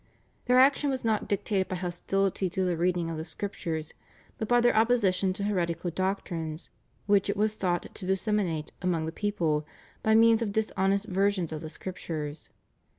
Their action was not dictated by hostility to the reading of the Scriptures but by their opposition to heretical doctrines, which it was sought to disseminate among the people by means of dishonest versions of the Scriptures.